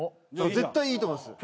絶対いいと思います。